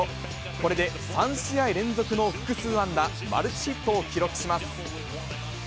これで３試合連続の複数安打、マルチヒットを記録します。